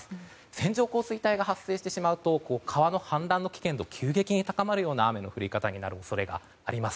線状降水帯が発生してしまうと川の氾濫の危険度が急激に高まるような雨の降り方になる恐れがあります。